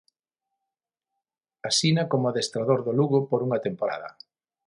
Asina como adestrador do Lugo por unha temporada.